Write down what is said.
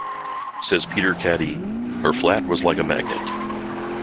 Says Peter Caddy: Her flat was like a magnet.